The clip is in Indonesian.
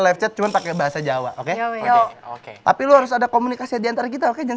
live chat cuma pakai bahasa jawa oke oke tapi lu harus ada komunikasi diantara kita oke jangan